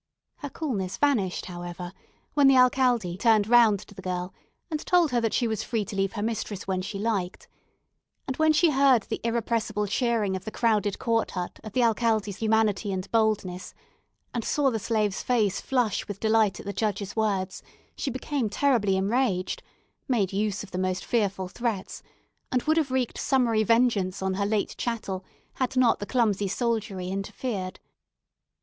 Her coolness vanished, however, when the alcalde turned round to the girl and told her that she was free to leave her mistress when she liked; and when she heard the irrepressible cheering of the crowded court hut at the alcalde's humanity and boldness, and saw the slave's face flush with delight at the judge's words, she became terribly enraged; made use of the most fearful threats, and would have wreaked summary vengeance on her late chattel had not the clumsy soldiery interfered.